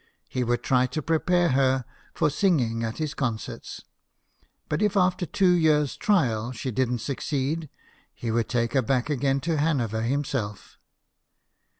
He would try to prepare her for singing at his concerts ; but if after two years' trial she didn't succeed, he would take her back again to Hanover himself.